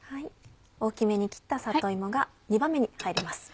大きめに切った里芋が２番目に入ります。